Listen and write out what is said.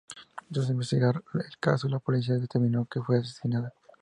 Tras investigar el caso, la policía determinó que fue asesinada.